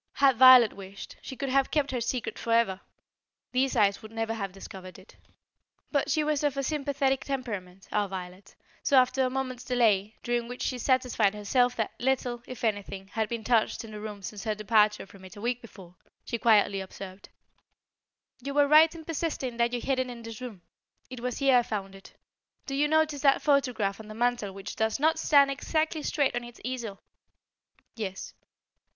Had Violet wished, she could have kept her secret forever. These eyes would never have discovered it. But she was of a sympathetic temperament, our Violet, so after a moment's delay, during which she satisfied herself that little, if anything, had been touched in the room since her departure from it a week before, she quietly observed: "You were right in persisting that you hid it in this room. It was here I found it. Do you notice that photograph on the mantel which does not stand exactly straight on its easel?" "Yes."